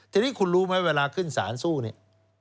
ทีนี้คุณรู้ไหมเวลาขึ้นสารสู้เนี่ย